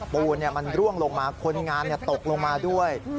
ปูนมันร่วงลงมาคนงานตกลงมาด้วย